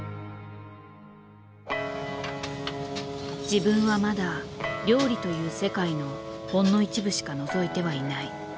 自分はまだ料理という世界のほんの一部しかのぞいてはいない。